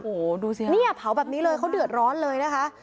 โหดูสิเราก็เขาเรียบร้อยไฟตัวนี้เลย